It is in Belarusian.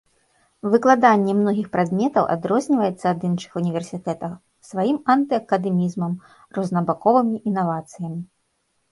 Выкладанне многіх прадметаў адрозніваецца ад іншых універсітэтаў сваім анты-акадэмізмам, рознабаковымі інавацыямі.